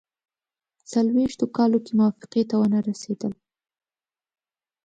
څلوېښتو کالو کې موافقې ته ونه رسېدل.